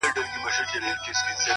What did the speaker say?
پرمختګ له داخلي بدلون پیل کېږي!